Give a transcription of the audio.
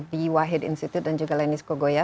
the wahid institute dan juga leny skogoya